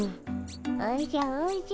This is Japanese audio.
おじゃおじゃ。